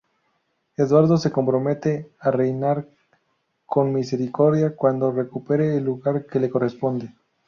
Eduardo se compromete a reinar con misericordia cuando recupere el lugar que le corresponde.